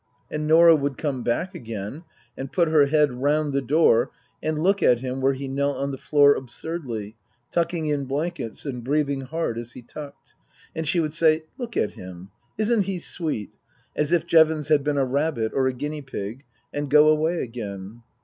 And Norah would come back again and put her head round the door and look at him where he knelt on the floor absurdly, tucking in blankets and breathing hard as he tucked. And she would say, " Look at him. Isn't he sweet ?" as if Jevons had been a rabbit or a guinea pig, and go away again.